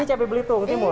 ini cabai belitung timur